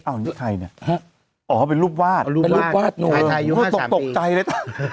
อ้าวนี่ใครเนี่ยอ๋อเป็นรูปวาดเป็นรูปวาดไทยอายุ๕๓ปีตกใจเลย